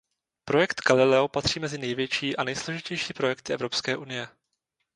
Projekt Galileo patří mezi největší a nejsložitější projekty Evropské unie.